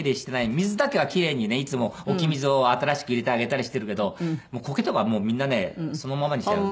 水だけは奇麗にねいつも置き水を新しく入れてあげたりしてるけどコケとかもうみんなねそのままにしてあるんで。